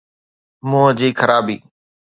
منهن جي خرابي.